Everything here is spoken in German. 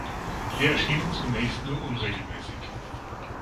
Sie erschienen zunächst nur unregelmässig.